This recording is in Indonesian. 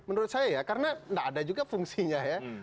menurut saya ya karena tidak ada juga fungsinya ya